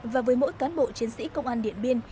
và với mỗi cán bộ chiến sĩ công an điện biên